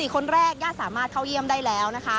คนแรกญาติสามารถเข้าเยี่ยมได้แล้วนะคะ